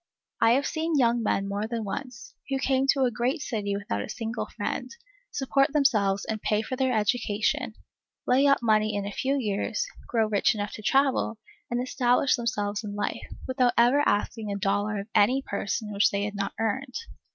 I have seen young men more than once, who came to a great city without a single friend, support themselves and pay for their education, lay up money in a few years, grow rich enough to travel, and establish themselves in life, without ever asking a dollar of any person which they had not earned.